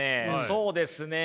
そうですね